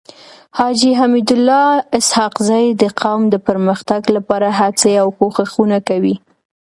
حاجي حميدالله اسحق زی د قوم د پرمختګ لپاره هڅي او کوښښونه کوي.